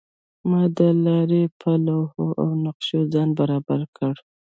ما د لارې په لوحو او نقشو ځان برابر کړ.